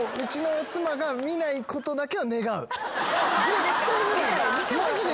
絶対見ないで。